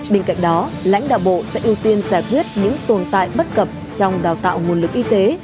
bên cạnh đó lãnh đạo bộ sẽ ưu tiên giải quyết những tồn tại bất cập trong đào tạo nguồn lực y tế